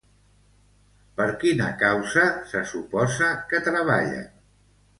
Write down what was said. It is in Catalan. Per quina causa, se suposa, que treballen?